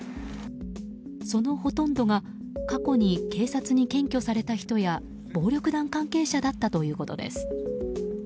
そのほとんどが過去に警察に検挙された人や暴力団関係者だったということです。